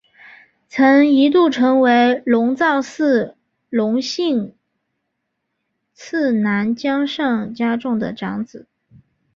曾一度成为龙造寺隆信次男江上家种的养子。